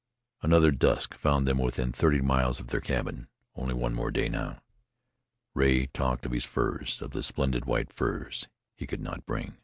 Another dusk found them within thirty miles of their cabin. Only one more day now. Rea talked of his furs, of the splendid white furs he could not bring.